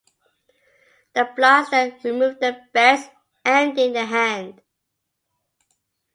The blinds then remove their bets, ending the hand.